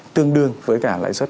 tương đương với cả lãi xuất